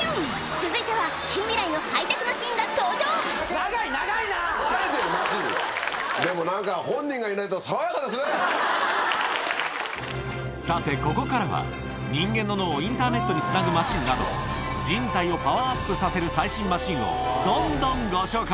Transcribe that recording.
続いては近未来のハイテクマシン長い、長いな！でもなんか、本人がいないとさて、ここからは人間の脳をインターネットにつなぐマシンなど、人体をパワーアップさせる最新マシンを、どんどんご紹介。